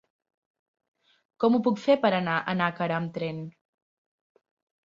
Com ho puc fer per anar a Nàquera amb tren?